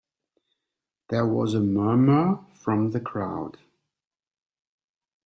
There was a murmur from the crowd.